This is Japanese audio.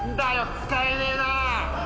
使えねえな。